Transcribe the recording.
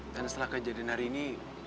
setelah kejadian hari ini